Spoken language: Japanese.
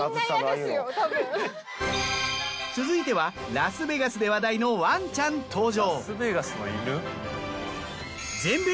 続いてはラスベガスで話題のワンちゃん登場。